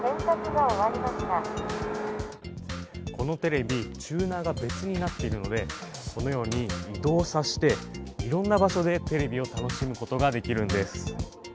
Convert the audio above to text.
このテレビ、チューナーが別になっているのでこのように移動させて、いろんな場所でテレビを楽しむことができるんです。